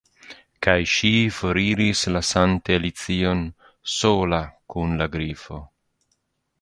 Kaj ŝi foriris lasante Alicion sola kun la Grifo.